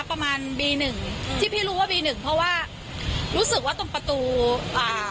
ประมาณบีหนึ่งที่พี่รู้ว่าบีหนึ่งเพราะว่ารู้สึกว่าตรงประตูอ่า